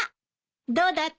どうだった？